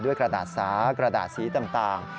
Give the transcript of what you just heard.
กระดาษสากระดาษสีต่าง